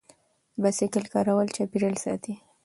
د بایسکل کارول چاپیریال ساتي.